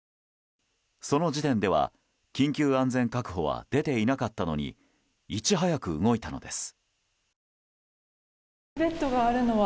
その時点では、緊急安全確保は出ていなかったのにいち早く動いたのです。